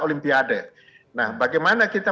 olimpiade nah bagaimana kita